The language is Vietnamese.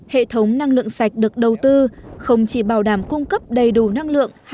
hệ thống năng lượng sạch được đầu tư không chỉ bảo đảm cung cấp đầy đủ năng lượng